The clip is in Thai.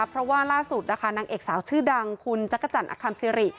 เพราะว่าล่าสุดนะคะนางเอกสาวชื่อดังคุณจักรจันทร์อคัมซิริ